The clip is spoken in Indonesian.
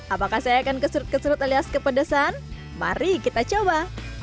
apakah saya akan kesrut kesrut alias kepedasan mari kita coba